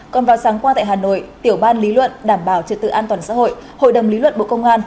còn vào sáng qua tại hà nội tiểu ban lý luận đảm bảo trật tự an toàn xã hội hội đồng lý luận bộ công an